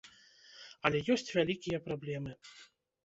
Але ёсць вялікія праблемы.